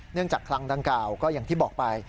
จากคลังดังกล่าวก็อย่างที่บอกไป